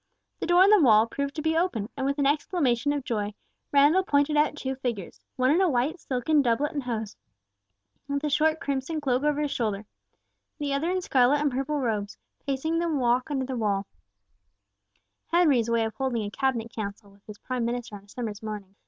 The door in the wall proved to be open, and with an exclamation of joy, Randall pointed out two figures, one in a white silken doublet and hose, with a short crimson cloak over his shoulder, the other in scarlet and purple robes, pacing the walk under the wall—Henry's way of holding a cabinet council with his prime minister on a summer's morning.